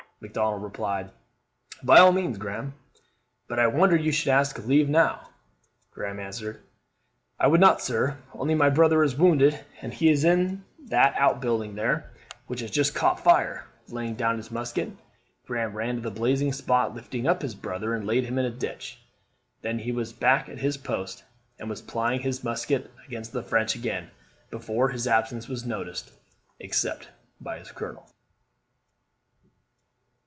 Macdonnell replied, "By all means, Graham; but I wonder you should ask leave now." Graham answered, "I would not, sir, only my brother is wounded, and he is in that out building there, which has just caught fire." Laying down his musket, Graham ran to the blazing spot, lifted up his brother, and laid him in a ditch. Then he was back at his post, and was plying his musket against the French again, before his absence was noticed, except by his colonel.